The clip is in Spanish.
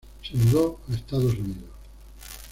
Se mudó a Estados Unidos.